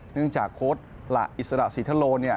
เนื่องจากโค้ดหละอิสระสีทะโล